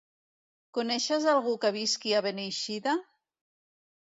Coneixes algú que visqui a Beneixida?